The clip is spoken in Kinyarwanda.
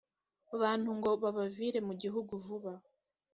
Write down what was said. bantu ngo babavire mu gihugu vuba